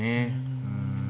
うん。